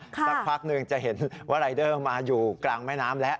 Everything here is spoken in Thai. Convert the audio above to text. สักพักหนึ่งจะเห็นว่ารายเดอร์มาอยู่กลางแม่น้ำแล้ว